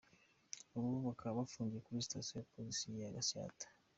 Ubu bakaba bafungiye kuri sitasiyo ya Polisi ya Gatsata.